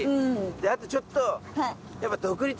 あとちょっと。